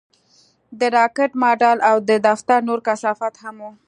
د راکټ ماډل او د دفتر نور کثافات هم وو